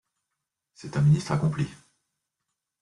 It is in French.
C'est un ministre accompli.